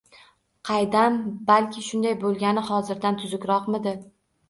Qaydam, balki, shunday boʻlgani hozirgidan tuzukroqmidi?..